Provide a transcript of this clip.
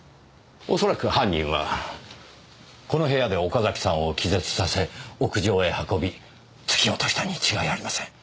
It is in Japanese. おそらく犯人はこの部屋で岡崎さんを気絶させ屋上へ運び突き落としたに違いありません。